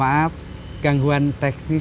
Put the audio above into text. maaf gangguan teknis